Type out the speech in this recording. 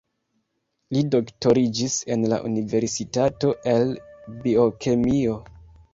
Li doktoriĝis en la universitato el biokemio.